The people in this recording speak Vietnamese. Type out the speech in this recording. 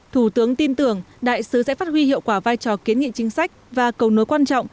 thủ tướng tin tưởng đại sứ sẽ phát huy hiệu quả vai trò kiến nghị chính sách và cầu nối quan trọng